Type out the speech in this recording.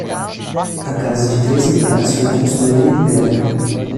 A casa de três andares foi construída em pedra.